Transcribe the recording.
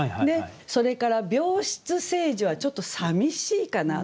それから「病室」「聖樹」はちょっとさみしいかな。